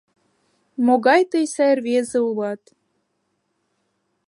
Могай тый сай рвезе улат!